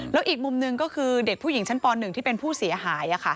แล้วอีกมุมหนึ่งก็คือเด็กผู้หญิงชั้นป๑ที่เป็นผู้เสียหาย